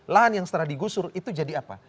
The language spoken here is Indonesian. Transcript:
lahan yang setelah digusur itu jadi apa